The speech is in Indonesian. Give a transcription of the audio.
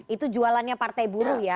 itu jualannya partai buruh ya